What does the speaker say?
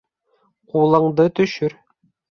Ҡулыңды төшөр!